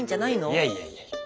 いやいやいやいや。